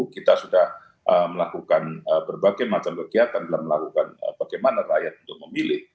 kita sudah melakukan berbagai macam kegiatan dalam melakukan bagaimana rakyat untuk memilih